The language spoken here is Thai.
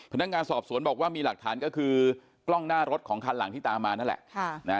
พนักงานสอบสวนบอกว่ามีหลักฐานก็คือกล้องหน้ารถของคันหลังที่ตามมานั่นแหละ